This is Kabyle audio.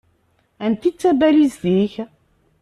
Anta i d tabalizt-ik?